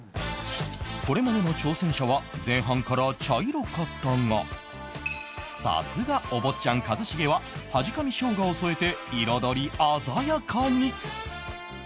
これまでの挑戦者は前半から茶色かったがさすがお坊ちゃん一茂ははじかみ生姜を添えて彩り鮮やかに